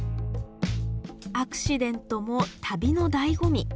アクシデントも旅のだいご味。